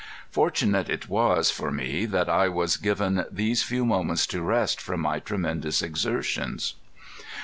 Fortunate it was for me that I was given these few moments to rest from my tremendous exertions.